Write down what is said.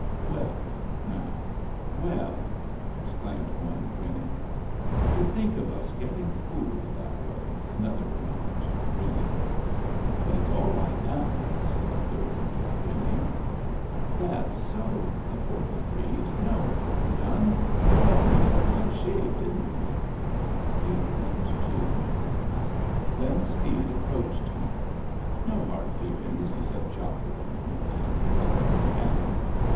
" Well, now, well !" exclaimed one, grinning. "To think of us getting fooled that way!" another remarked, grinning. " But it's all right now," said a third, grinning. " That's so !" a fourth agreed. " No harm done. But we had a close shave, didn't we ?" And he grinned too. Lem Speed approached me. " No hard feel ings," he said jocularly, and he held out his hand.